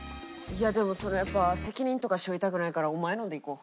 でもそれやっぱ責任とか背負いたくないからお前のんでいこう。